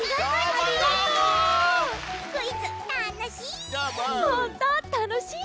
クイズたのしい！